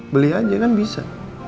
beli aja kan bisa